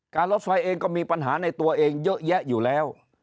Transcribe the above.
รถไฟเองก็มีปัญหาในตัวเองเยอะแยะอยู่แล้ว